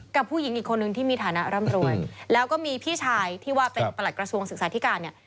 กับผู้หญิงอีกคนนึงที่มีฐานะร่ำรวยแล้วก็มีพี่ชายที่ว่าเป็นประหลัดกระทรวงศึกษาธิการเนี่ย